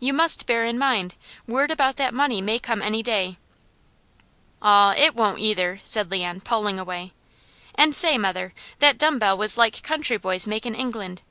"You must bear in mind, word about that money may come any day." "Aw, it won't either," said Leon, pulling away. "And say, mother, that dumb bell was like country boys make in England.